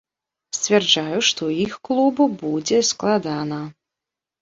Сцвярджаю, што іх клубу будзе складана.